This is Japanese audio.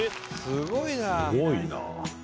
「すごいな」